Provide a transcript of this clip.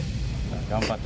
頑張って。